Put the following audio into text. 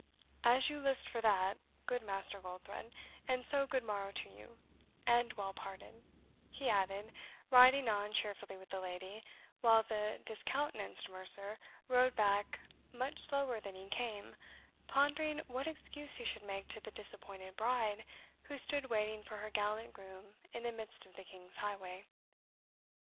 "As you list for that, good Master Goldthred, and so good morrow to you and well parted," he added, riding on cheerfully with the lady, while the discountenanced mercer rode back much slower than he came, pondering what excuse he should make to the disappointed bride, who stood waiting for her gallant groom in the midst of the king's highway.